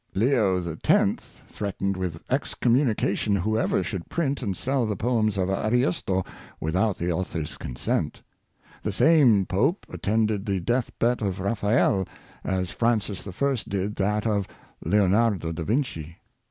Leo X. threatened with excommunication whoever should print and sell the poems of Ariosto without the author's consent. The same pope attended the death bed of Raphael, as Fran cis I. did that of Leonardo da Vinci.